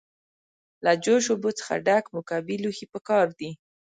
له جوش اوبو څخه ډک مکعبي لوښی پکار دی.